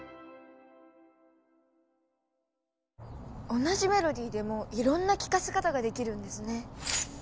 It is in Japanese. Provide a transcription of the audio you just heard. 同じメロディーでもいろんな聞かせ方ができるんですね。